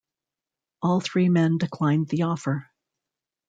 All three men declined the offer.